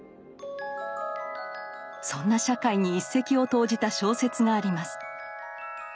そんな社会に一石を投じた小説があります。